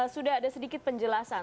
sudah ada sedikit penjelasan